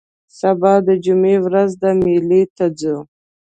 سبا د جمعې ورځ ده مېلې ته ځو